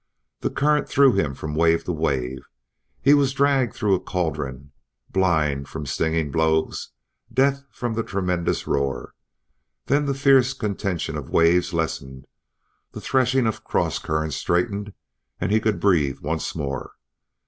The current threw him from wave to wave. He was dragged through a caldron, blind from stinging blows, deaf from the tremendous roar. Then the fierce contention of waves lessened, the threshing of crosscurrents straightened, and he could breathe once more.